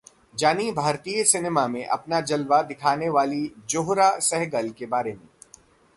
जानिए भारतीय सिनेमा में अपना जलवा दिखाने वाली जोहरा सहगल के बारे में